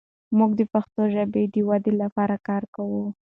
موږ د پښتو ژبې د ودې لپاره کار کوو.